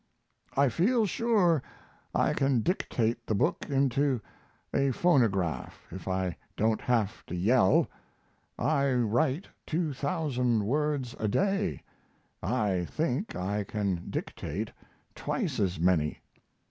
I feel sure I can dictate the book into a phonograph if I don't have to yell. I write 2,000 words a day. I think I can dictate twice as many.